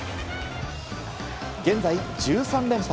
現在、１３連敗。